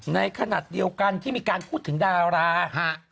ในขณะเดียวกันที่มีการพูดถึงดารา